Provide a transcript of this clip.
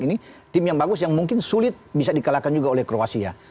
ini tim yang bagus yang mungkin sulit bisa di kalahkan juga oleh kruasia